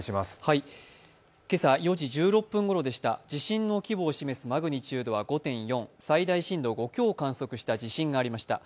今朝、４時１６分ごろでした、地震の規模を示すマグニチュードは５．４、最大震度５強を観測した地震がありました。